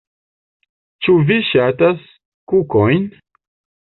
Ĉu vi ŝatas kukojn?